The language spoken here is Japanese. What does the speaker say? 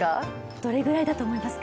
どれぐらいだと思いますか？